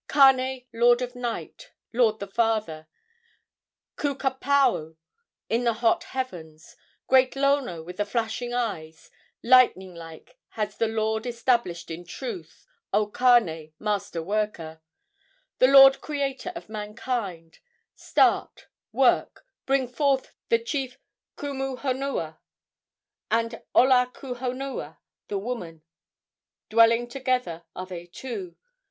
Kane, Lord of Night, Lord the Father, Ku ka pao, in the hot heavens, Great Lono with the flashing eyes, Lightning like has the Lord Established in truth, O Kane, master worker; The Lord creator of mankind: Start, work, bring forth the chief Kumu honua, And Ola ku honua, the woman; Dwelling together are they two.